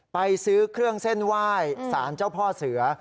ไปซื้อเครื่องเส้นไหว้สารเจ้าพ่อเสือ